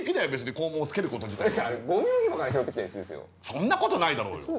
そんなことないだろうよ。